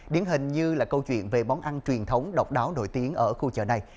điển hình như là câu chuyện về món ăn truyền thống độc đáo nổi tiếng ở khu chợ này